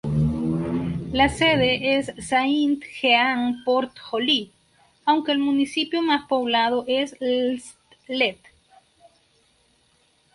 La sede es Saint-Jean-Port-Joli aunque el municipio más poblado es L’Islet.